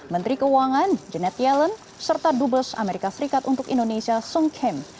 dari keuangan janet yellen serta dubes amerika serikat untuk indonesia sung kim